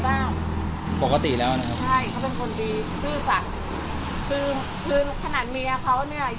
บ้านปกติแล้วนะครับใช่เขาเป็นคนดีซื่อสัตว์คือคือขนาดเมียเขาเนี่ย